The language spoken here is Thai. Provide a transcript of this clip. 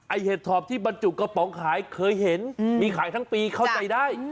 เห็ดถอบที่บรรจุกระป๋องขายเคยเห็นมีขายทั้งปีเข้าใจได้